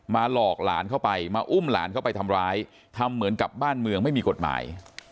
หลอกหลานเข้าไปมาอุ้มหลานเข้าไปทำร้ายทำเหมือนกับบ้านเมืองไม่มีกฎหมาย